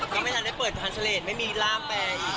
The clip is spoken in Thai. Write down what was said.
ก็ไม่ทันได้เปิดสมัครชะเลไม่มีร่างแปรอีก